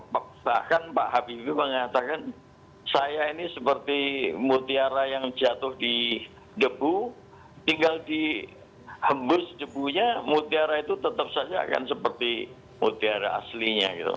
bahkan pak habibie mengatakan saya ini seperti mutiara yang jatuh di debu tinggal dihembus debunya mutiara itu tetap saja akan seperti mutiara aslinya gitu